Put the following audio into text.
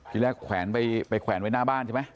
ที่แรกแขวนไปแขวนไว้หน้าบ้านใช่ไหม